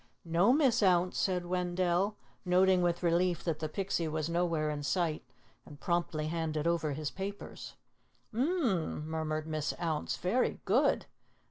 "No, Miss Ounce," said Wendell, noting with relief that the Pixie was nowhere in sight, and promptly handed over his papers. "Um, um!" murmured Miss Ounce. "Very good!